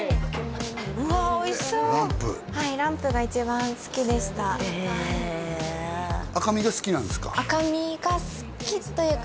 うわおいしそうランプはいランプが一番好きでしたへえ赤身が好きなんですか？